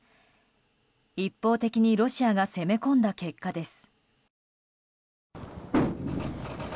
一方的にロシアが攻め込まれた結果です。